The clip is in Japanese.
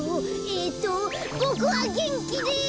えっとボクはげんきです！